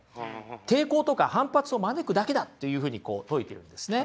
抵抗とか反発を招くだけだというふうに説いてるんですね。